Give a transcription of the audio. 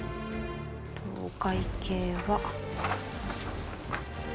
お会計が。